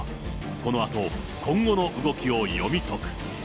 このあと今後の動きを読み解く。